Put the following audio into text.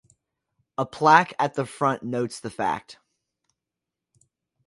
A plaque at the front notes the fact.